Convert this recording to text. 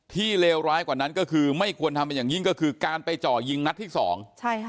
ที่เลวร้ายกว่านั้นก็คือไม่ควรทำอย่างนี้ก็คือการไปเจาะยิงนัดที่สอง